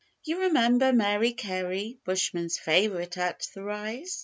You remember Mary Carey, Bushmen's favourite at the Rise?